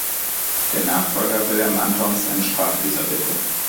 Der Nachfolger Wilhelm Antons entsprach dieser Bitte.